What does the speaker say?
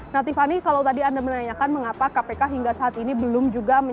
yang mana memang penggeledahan